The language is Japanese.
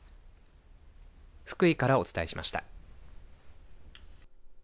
福井からお伝えしました。